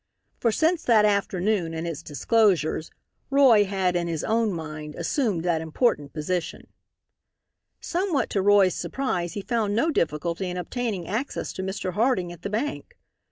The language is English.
For since that afternoon and its disclosures, Roy had, in his own mind, assumed that important position. Somewhat to Roy's surprise he found no difficulty in obtaining access to Mr. Harding at the bank.